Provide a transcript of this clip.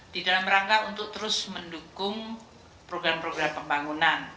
di dalam rangka untuk terus mendukung program program pembangunan